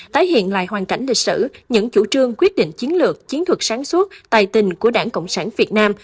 tái hiện lại hoàn cảnh lịch sử những chủ trương quyết định chiến lược chiến thuật sáng suốt tài tình của đảng cộng sản việt nam